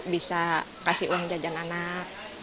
bisa kasih uang jajan anak